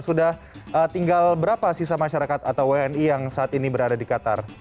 sudah tinggal berapa sisa masyarakat atau wni yang saat ini berada di qatar